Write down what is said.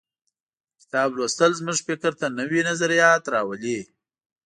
کتاب لوستل زموږ فکر ته نوي نظریات راولي.